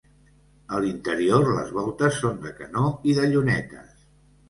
A l'interior les voltes són de canó i de llunetes.